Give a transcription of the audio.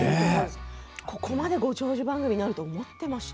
ここまでご長寿番組になると思っていました？